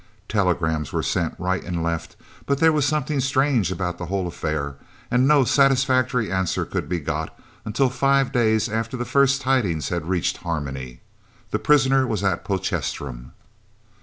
Telegrams were sent right and left, but there was something strange about the whole affair, and no satisfactory answers could be got until five days after the first tidings had reached Harmony. The prisoner was at Potchefstroom.